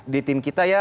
di tim kita ya